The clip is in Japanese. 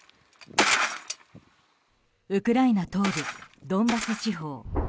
ウクライナ東部ドンバス地方。